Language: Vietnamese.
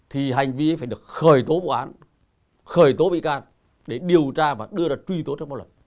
hành vi ấy phải được khởi tố bộ án khởi tố bị can để điều tra và đưa ra truy tố trách báo luật